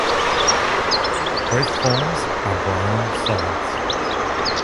Both forms are brown solids.